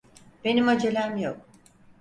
Benim acelem yok.